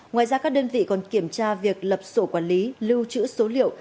ngoài ra các đơn vị còn kiểm tra việc lập sổ quản lý lưu trữ số liệu